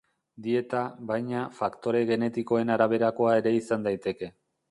Dieta, baina, faktore genetikoen araberakoa ere izan daiteke.